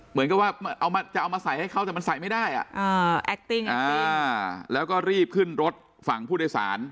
เหมือนกับว่าจะเอามาใส่ให้เขาแต่มันใส่ไม่ได้แอคติ้งแล้วก็รีบขึ้นรถฝั่งผู้โดยสาร